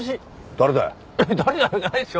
「誰だよ」じゃないですよ。